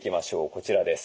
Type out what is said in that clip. こちらです。